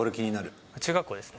中学校ですね。